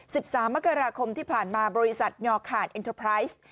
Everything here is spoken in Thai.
สามมกราคมที่ผ่านมาบริษัทยอขาดเอ็นเตอร์ไพรส์